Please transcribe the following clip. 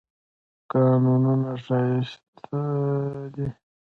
کانونه ښایسته دي.